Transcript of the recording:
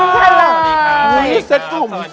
สวัสดีค่ะ